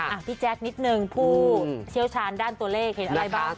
พี่แจ๊คนิดนึงผู้เชี่ยวชาญด้านตัวเลขเห็นอะไรบ้าง